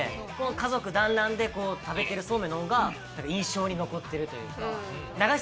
家族団らんで食べてるそうめんのほうが印象に残ってるというか。